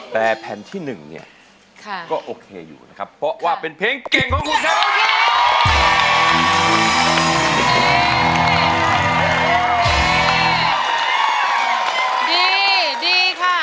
แต่แผ่นที่๑เนี่ยก็โอเคอยู่นะครับเพราะว่าเป็นเพลงเก่งของคุณครับ